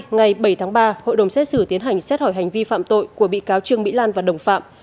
ngày bảy tháng ba hội đồng xét xử tiến hành xét hỏi hành vi phạm tội của bị cáo trương mỹ lan và đồng phạm